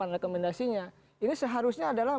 rekomendasinya ini seharusnya adalah